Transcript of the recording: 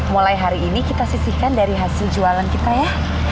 mulai hari ini kita sisihkan dari hasil jualan kita ya